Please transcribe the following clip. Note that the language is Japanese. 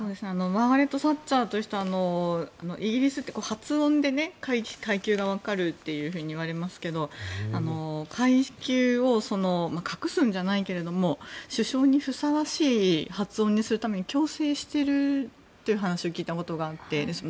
マーガレット・サッチャーという人はイギリスは発音で階級が分かるといわれますが階級を隠すわけじゃないんですが首相にふさわしい発音にするために矯正したという話を聞いたことがありまして。